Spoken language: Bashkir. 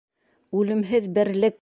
Үлемһеҙ берлек.